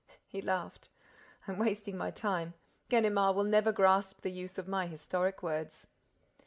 He laughed. "I am wasting my time. Ganimard will never grasp the use of my historic words."